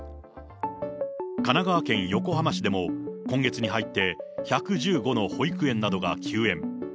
神奈川県横浜市でも、今月に入って１１５の保育園などが休園。